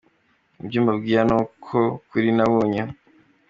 Ibyo mbabwira ni ko kuri nabonye.